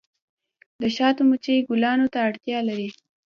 د شاتو مچۍ ګلانو ته اړتیا لري